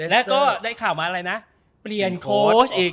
แล้วก็ได้ข่าวมาอะไรนะเปลี่ยนโค้ชอีก